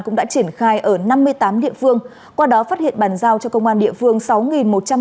cũng đã triển khai ở năm mươi tám địa phương qua đó phát hiện bàn giao cho công an địa phương